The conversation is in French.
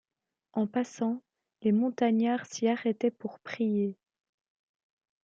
En passant, les montagnards s’y arrêtaient pour prier.